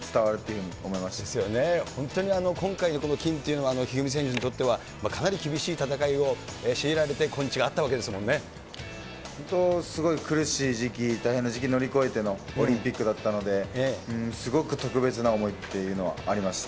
そうですよね、本当に今回の金というのは、一二三選手にとってはかなり厳しい戦いを強いられて今日があった本当、すごい苦しい時期、大変な時期、乗り越えてのオリンピックだったので、すごく特別な思いっていうのはありました。